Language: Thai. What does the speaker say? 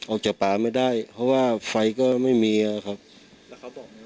ออกจากป่าไม่ได้เพราะว่าไฟก็ไม่มีอะครับ